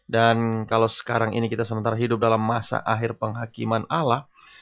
dan kalau sekarang ini kita sementara hidup dalam masa akhir penghakiman allah